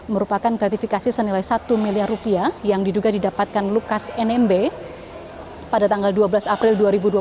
merupakan gratifikasi senilai satu miliar rupiah yang diduga didapatkan lukas nmb pada tanggal dua belas april dua ribu dua puluh